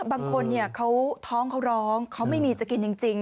บางคนเขาท้องเขาร้องเขาไม่มีจะกินจริง